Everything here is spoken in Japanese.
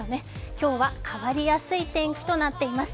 今日は変わりやすい天気となっています。